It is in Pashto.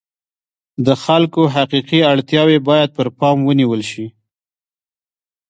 د خلکو حقیقي اړتیاوې باید پر پام ونیول شي.